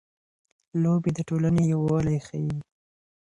لوبې د ټولنې یووالی ښيي.